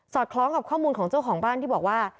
คล้องกับข้อมูลของเจ้าของบ้านที่บอกว่า